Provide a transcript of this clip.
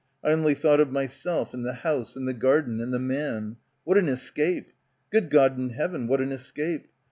I only thought of myself and the house and the garden and the man. What an escape! Good God in heaven, what an escape